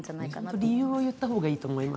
理由を言った方がいいと思います。